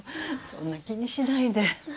そんな気にしないで。